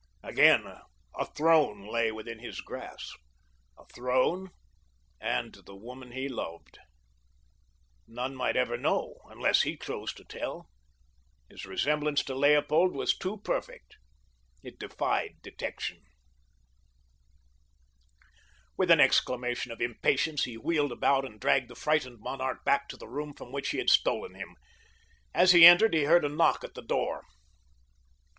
Again a throne lay within his grasp—a throne and the woman he loved. None might ever know unless he chose to tell—his resemblance to Leopold was too perfect. It defied detection. With an exclamation of impatience he wheeled about and dragged the frightened monarch back to the room from which he had stolen him. As he entered he heard a knock at the door.